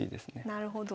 なるほど。